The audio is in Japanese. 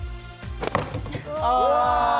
ああ。